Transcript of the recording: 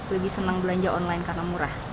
lebih senang belanja online karena murah